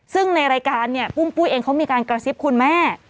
ซึ่งในรายการเนี่ยปุ้งปุ้ยเองเขามีการกระซิบคุณแม่